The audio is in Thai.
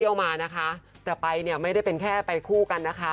เอามานะคะแต่ไปเนี่ยไม่ได้เป็นแค่ไปคู่กันนะคะ